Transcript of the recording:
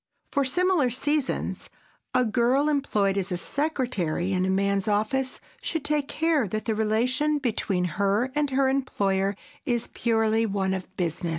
For similar seasons, a girl employed as secretary in a man's office should take care that the relation between her and her employer is purely one of business.